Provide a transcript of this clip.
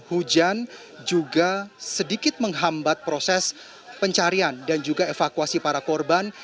hujan juga sedikit menghambat proses pencarian dan juga evakuasi para korban